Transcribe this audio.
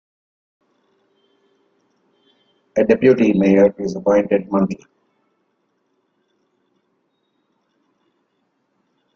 A deputy mayor is appointed monthly.